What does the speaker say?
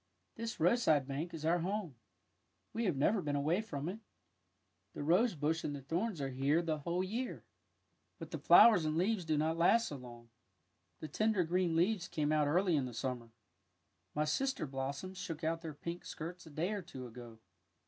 '^ This roadside bank is our home. We have never been away from it. '^ The rose bush and the thorns are here the 100 THE WILD ROSE whole year. But the flowers and leaves do not last so long. '' The tender green leaves came out early in the summer. My sister blossoms shook out their pink skirts a day or two ago.